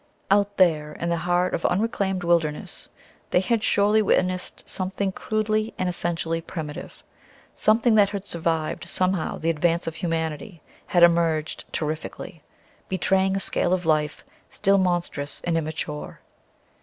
Out there, in the heart of unreclaimed wilderness, they had surely witnessed something crudely and essentially primitive. Something that had survived somehow the advance of humanity had emerged terrifically, betraying a scale of life still monstrous and immature.